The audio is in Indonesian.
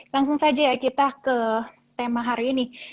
langsung saja ya kita ke tema hari ini